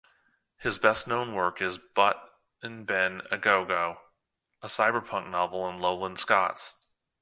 His best known work is "But'n'Ben A-Go-Go", a cyberpunk novel in Lowland Scots.